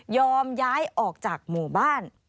ย้ายออกจากหมู่บ้าน